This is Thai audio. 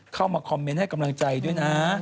เข้ามาคอมเมนต์ให้กำลังใจด้วยนะ